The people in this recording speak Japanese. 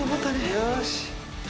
よし！